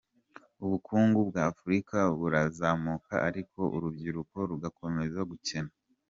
Ubukungu bw’Afurika burazamuka ariko urubyiruko rugakomeza gukena